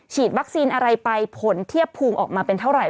วัคซีนอะไรไปผลเทียบภูมิออกมาเป็นเท่าไหร